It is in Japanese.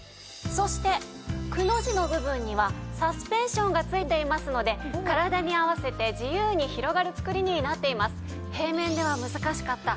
そしてくの字の部分にはサスペンションが付いていますので体に合わせて自由に広がる作りになっています。